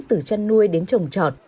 từ chăn nuôi đến trồng trọt